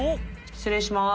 失礼します。